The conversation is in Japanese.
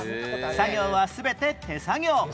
作業は全て手作業